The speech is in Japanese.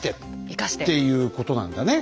生かして。っていうことなんだね。